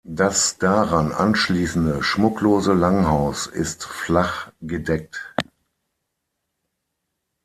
Das daran anschließende schmucklose Langhaus ist flach gedeckt.